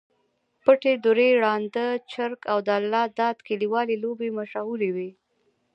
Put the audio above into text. د پټې دُرې، ړانده چرک، او الله داد کلیوالې لوبې مشهورې وې.